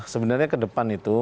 sebenarnya ke depan itu